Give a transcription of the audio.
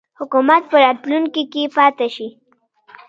حکومت په راتلونکي کې پاته شي.